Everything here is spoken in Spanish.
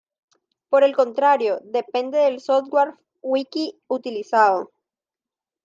Por el contrario, depende del "software" wiki utilizado.